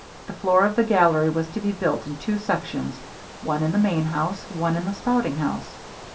The floor of the gallery was to be built in two sections, one in the main house, one in the spouting house.